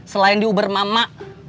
selain diubur mama